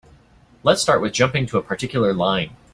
Let's start with jumping to a particular line.